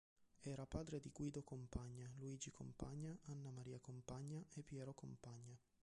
Era padre di Guido Compagna, Luigi Compagna, Annamaria Compagna e Piero Compagna.